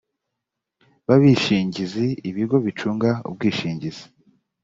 b abishingizi ibigo bicunga ubwishingizi